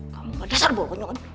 kamu gak dasar bohong bohongan